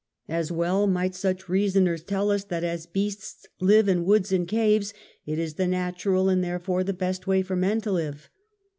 As well might such reasoners tell us that as beasts live in woods and caves, it is the natural and therefore the best way for men to live.